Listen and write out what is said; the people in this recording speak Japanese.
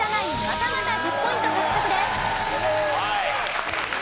またまた１０ポイント獲得です。